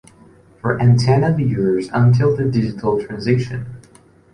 For antenna viewers, until the digital transition.